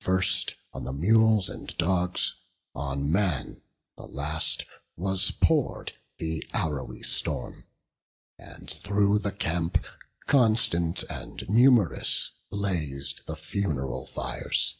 First on the mules and dogs, on man the last, Was pour'd the arrowy storm; and through the camp, Constant and num'rous, blaz'd the fun'ral fires.